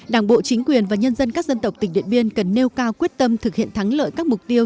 đảng bộ chính quyền và nhân dân các dân tộc tỉnh điện biên cần nêu cao quyết tâm thực hiện thắng lợi các mục tiêu